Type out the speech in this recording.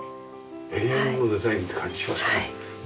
永遠のデザインって感じしますね。